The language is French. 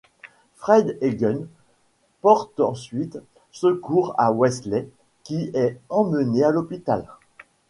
Fred et Gunn portent ensuite secours à Wesley qui est emmené à l'hôpital.